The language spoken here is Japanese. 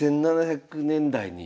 １７００年代に。